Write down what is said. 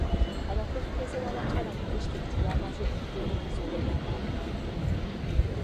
Abakulembeze b'abakyala mu disitulikiti baamaze kutuukiriza obweyamo bwabwe.